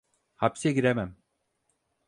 Hapse giremem.